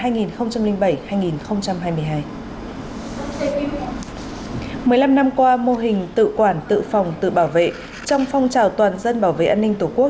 một mươi năm năm qua mô hình tự quản tự phòng tự bảo vệ trong phong trào toàn dân bảo vệ an ninh tổ quốc